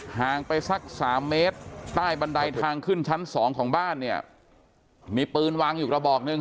ห่างไปสักสามเมตรใต้บันไดทางขึ้นชั้นสองของบ้านเนี่ยมีปืนวางอยู่กระบอกหนึ่ง